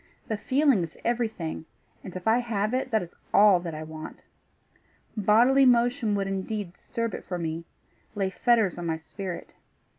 The feeling is everything, and if I have it, that is all that I want. Bodily motion would indeed disturb it for me lay fetters on my spirit.